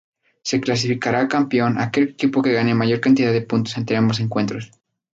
Se clasificará campeón aquel equipo que gane mayor cantidad de puntos entre ambos encuentros.